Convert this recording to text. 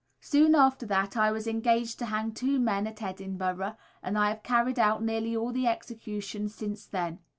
Soon after that I was engaged to hang two men at Edinburgh, and I have carried out nearly all the executions since then.